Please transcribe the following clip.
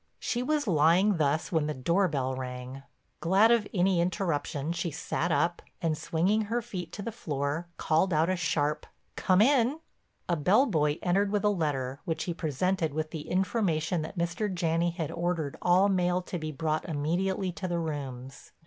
She was lying thus when the door bell rang. Glad of any interruption she sat up, and, swinging her feet to the floor, called out a sharp "Come in." A bell boy entered with a letter which he presented with the information that Mr. Janney had ordered all mail to be brought immediately to the rooms.